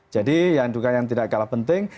jadi yang juga tidak kalah penting